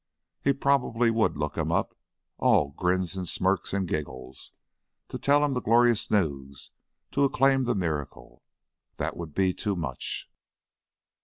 He probably would look him up, all grins and smirks and giggles, to tell him the glorious news, to acclaim the miracle. That would be too much.